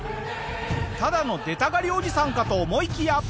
ただの出たがりおじさんかと思いきや